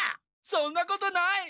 そんなことない！